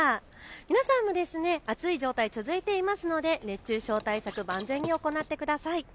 皆さんも暑い状態、続いていますので熱中症対策万全に行ってください。